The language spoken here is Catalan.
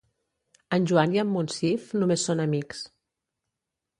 En Joan i en Monsif només són amics.